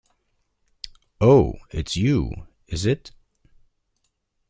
Oh, it's you, is it?